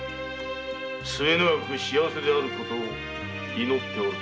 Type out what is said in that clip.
末長く幸せであること祈っておるぞ。